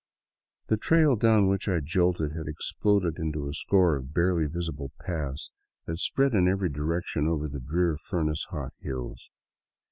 The trail down which I jolted had exploded into a score of barely visible paths that spread in every direction over the drear, furnace hot hills.